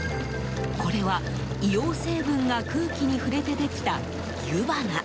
これは、硫黄成分が空気に触れてできた湯花。